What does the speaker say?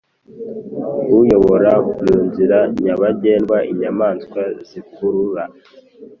uyobora mu nzira nyabagendwa inyamaswa zikurura